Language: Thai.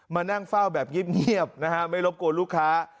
มานั่งเฝ้าแบบเงียบนะฮะไม่รบกวนลูกค้า